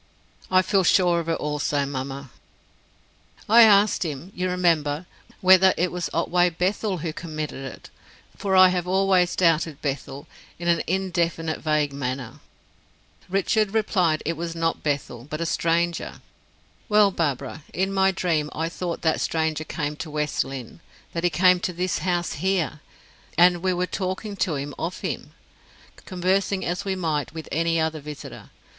"I feel sure of it also, mamma." "I asked him, you remember, whether it was Otway Bethel who committed it; for I have always doubted Bethel, in an indefinite, vague manner. Richard replied it was not Bethel, but a stranger. Well, Barbara, in my dream I thought that stranger came to West Lynne, that he came to this house here, and we were talking to him of him, conversing as we might with any other visitor.